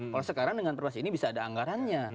kalau sekarang dengan perwas ini bisa ada anggarannya